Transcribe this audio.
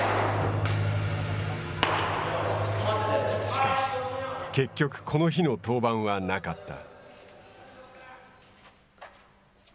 しかし、結局、この日の登板はなかった。